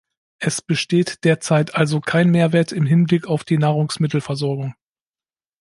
Es besteht derzeit also kein Mehrwert im Hinblick auf die Nahrungsmittelversorgung.